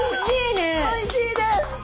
おいしいです！